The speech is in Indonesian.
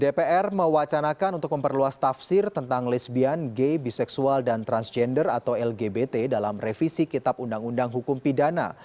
dpr mewacanakan untuk memperluas tafsir tentang lisbian gay biseksual dan transgender atau lgbt dalam revisi kitab undang undang hukum pidana